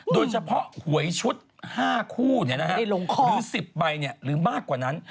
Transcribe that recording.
โดยเฉพาะหวยชุด๕คู่หรือ๑๐ใบหรือมากกว่านั้น